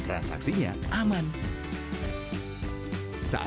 terima kasih banyak